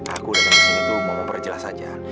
aku datang kesini tuh mau memperjelas saja